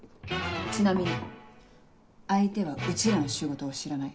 ちなみに相手はうちらの仕事を知らない。